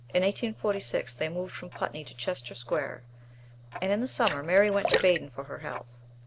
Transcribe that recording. In 1846 they moved from Putney to Chester Square, and in the summer Mary went to Baden for her health.